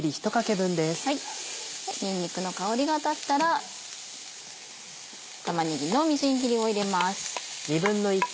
にんにくの香りが立ったら玉ねぎのみじん切りを入れます。